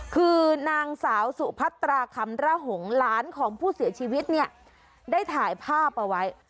คือนางสาวสุพัตราคำระหงษ์หลานของผู้เสียชีวิตเนี่ยได้ถ่ายภาพเอาไว้